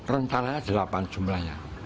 rencananya delapan jumlahnya